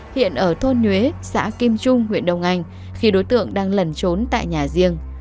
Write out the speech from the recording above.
hiện ở thôn nhuế xã kim trung huyện đông anh khi đối tượng đang lẩn trốn tại nhà riêng